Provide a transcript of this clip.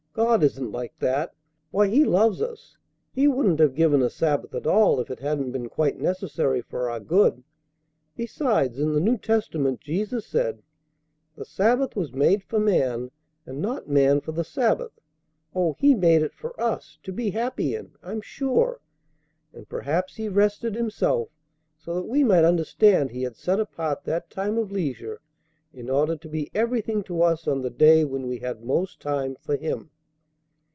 "God isn't like that. Why, He loves us! He wouldn't have given a Sabbath at all if it hadn't been quite necessary for our good. Besides, in the New Testament, Jesus said, 'The sabbath was made for man, and not man for the sabbath'! Oh, He made it for us, to be happy in, I'm sure. And perhaps He rested Himself so that we might understand He had set apart that time of leisure in order to be everything to us on the day when we had most time for Him.